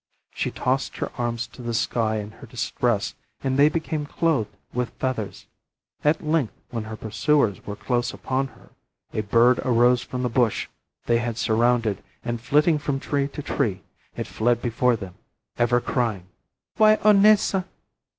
She tossed her arms to the sky in her distress and they became clothed with feathers. At length, when her pursuers were close upon her, a bird arose from the bush they had surrounded, and flitting from tree to tree, it fled before them, ever crying "Wai o naisa!